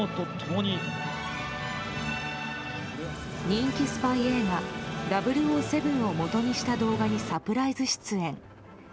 人気スパイ映画「００７」をもとにした動画にサプライズ出演。